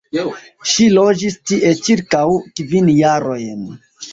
Ŝi loĝis tie ĉirkaŭ kvin jarojn.